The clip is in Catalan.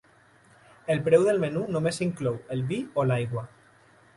El preu del menú només inclou el vi o l'aigua.